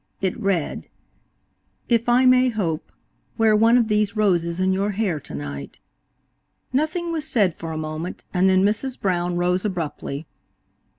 It read: "If I may hope, wear one of these roses in your hair tonight." Nothing was said for a moment, and then Mrs. Brown rose abruptly.